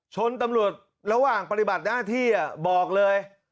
ชนตำรวจระหว่างปฏิบัติหน้าที่บอกเลย